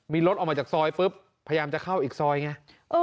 มีรถออกมาจากซอยปุ๊บพยายามจะเข้าอีกซอยไง